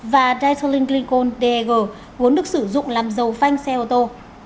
và dithylglucone deg vốn được sử dụng làm dầu phanh xe ô tô